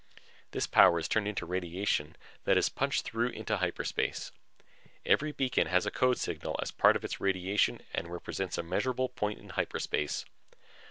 This power is turned into radiation that is punched through into hyperspace. Every beacon has a code signal as part of its radiation and represents a measurable point in hyperspace.